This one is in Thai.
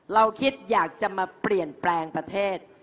เราคิดอยากจะมาเปลี่ยนแปลงประเทศ